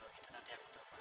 itulah bagian terakhir